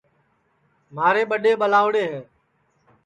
مھارے ٻڈؔے ٻلاؤڑے ہے